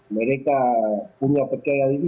mereka punya percaya ini